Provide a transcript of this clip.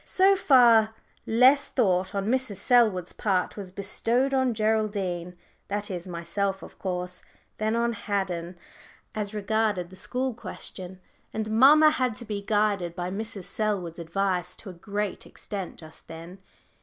So far less thought on Mrs. Selwood's part was bestowed on Geraldine that is myself, of course than on Haddon, as regarded the school question. And mamma had to be guided by Mrs. Selwood's advice to a great extent just then.